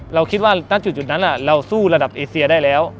เราคิดว่าณจุดนั้นเราสู้ระดับเอเซียได้แล้ว